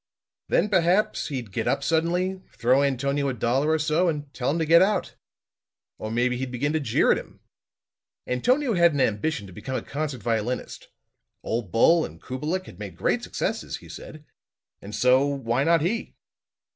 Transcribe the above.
Then, perhaps, he'd get up suddenly, throw Antonio a dollar or so and tell him to get out. Or maybe he'd begin to jeer at him. Antonio had an ambition to become a concert violinist. Ole Bull and Kubelik had made great successes, he said; and so, why not he?